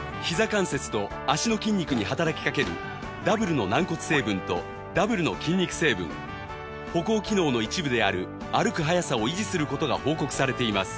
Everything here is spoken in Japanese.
関節と脚の筋肉に働きかけるダブルの軟骨成分とダブルの筋肉成分歩行機能の一部である歩く早さを維持する事が報告されています